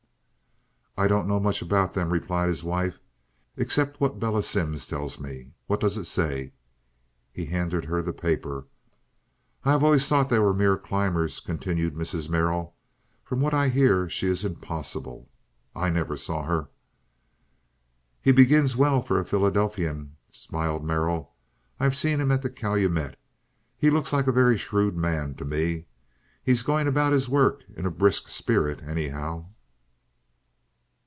"I don't know much about them," replied his wife, "except what Bella Simms tells me. What does it say?" He handed her the paper. "I have always thought they were merely climbers," continued Mrs. Merrill. "From what I hear she is impossible. I never saw her." "He begins well for a Philadelphian," smiled Merrill. "I've seen him at the Calumet. He looks like a very shrewd man to me. He's going about his work in a brisk spirit, anyhow."